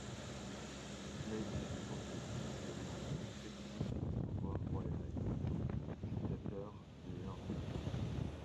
Mais se profile également une critique du pouvoir royal, du dictateur, de l’Un.